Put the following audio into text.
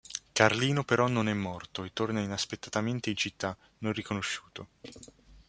Carlino però non è morto e torna inaspettatamente in città, non riconosciuto.